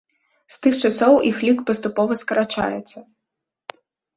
З тых часоў іх лік паступова скарачаецца.